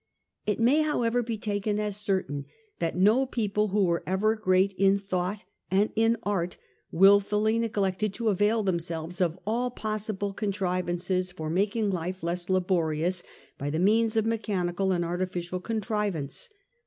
It may, how ever, be taken as certain that no people who were ever great in thought and in art wilfully neglected to avail themselves of all possible contrivances for making life less laborious by the means of mechani cal and artificial contrivance.